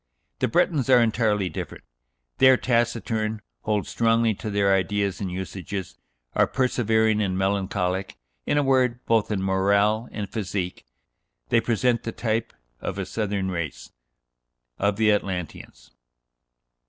The Bretons are entirely different: they are taciturn, hold strongly to their ideas and usages, are persevering and melancholic; in a word, both in morale and physique they present the type of a southern race of the Atlanteans."